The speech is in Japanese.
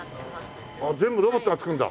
ああ全部ロボットが作るんだ。